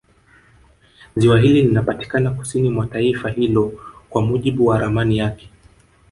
Ziwa hili linapatikana kusini mwa taifa hilo kwa mujibu wa ramani yake